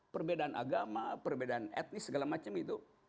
perbedaan agama perbedaan etnis segala macam itu